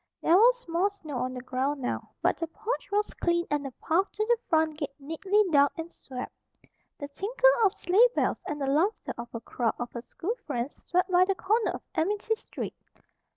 There was more snow on the ground now; but the porch was cleaned and the path to the front gate neatly dug and swept. The tinkle of sleigh bells and the laughter of a crowd of her school friends swept by the corner of Amity Street.